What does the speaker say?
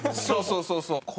そうそうそうそう。